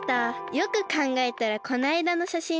よくかんがえたらこないだのしゃしん